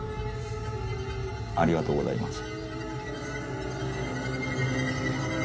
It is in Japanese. ありがとうございます。